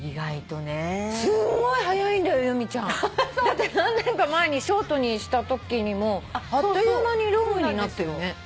だって何年か前にショートにしたときにもあっという間にロングになったよね。